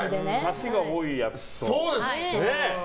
サシが多いやつと。